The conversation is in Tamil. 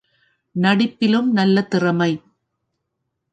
நடிப்பிலும் நல்ல திறமை.